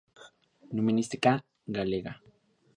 Numismática galega.